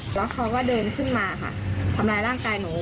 แล้วเขาก็เดินขึ้นมาค่ะทำร้ายร่างกายหนู